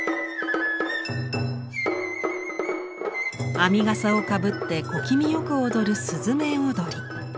編みがさをかぶって小気味よく踊る雀踊り。